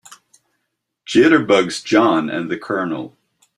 Jitterbugs JOHN and the COLONEL.